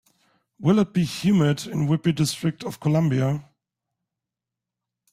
Will it be humid in Weippe District Of Columbia?